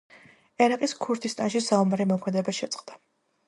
ერაყის ქურთისტანში საომარი მოქმედება შეწყდა.